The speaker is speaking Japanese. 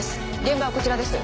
現場はこちらです。